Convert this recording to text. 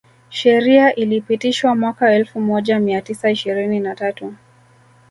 Sheria ilipitishwa mwaka elfu moja mia tisa ishirini na tatu